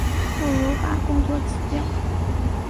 不如把工作辞掉